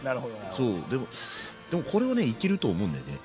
そうでもでもこれはねいけると思うんだよね。